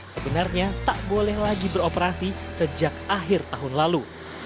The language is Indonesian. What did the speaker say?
sebenarnya tak boleh lagi beroperasi sejak akhir tahun lalu